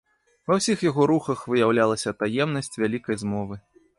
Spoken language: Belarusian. Ва ўсіх яго рухах выяўлялася таемнасць вялікай змовы.